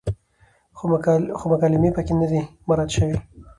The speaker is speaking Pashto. خو مکالمې پکې نه دي مراعت شوې،